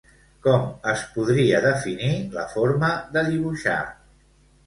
Com es podria definir la forma de dibuixar?